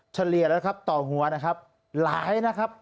เฉลี่ยแล้วครับต่อหัวนะครับหลายนะครับ